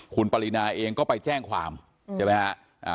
คุณปรินาเองก็ไปแจ้งความใช่ไหมฮะ